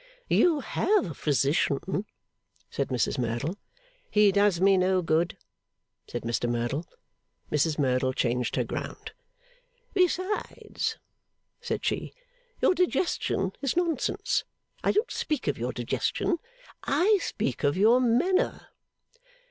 'You have a physician,' said Mrs Merdle. 'He does me no good,' said Mr Merdle. Mrs Merdle changed her ground. 'Besides,' said she, 'your digestion is nonsense. I don't speak of your digestion. I speak of your manner.